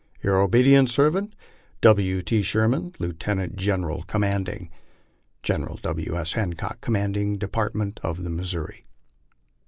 Your obedient servant, W. T. SHERMAN, Lieutenant General Commanding. General W. S. HANCOCK, commanding Department of the Missouri.